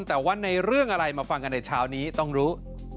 แต่ว่าในเรื่องอะไรมาฟังกันในเช้านี้ต้องรู้